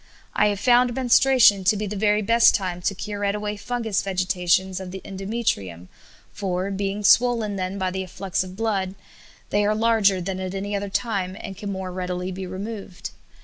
I have found menstruation to be the very best time to curette away fungous vegetations of the endometrium, for, being swollen then by the afflux of blood, they are larger than at any other time, and can the more readily be removed.